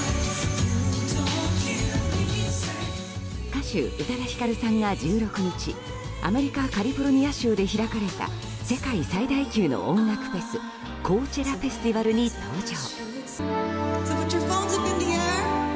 歌手・宇多田ヒカルさんが１６日アメリカ・カリフォルニア州で開かれた世界最大級の音楽フェスコーチェラ・フェスティバルに登場。